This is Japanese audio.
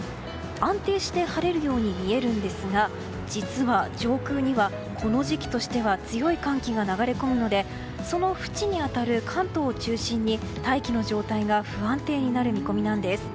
安定して晴れるように見えるんですが実は上空には、この時期としては強い寒気が流れ込むのでその縁に当たる関東を中心に大気の状態が不安定になる見込みなんです。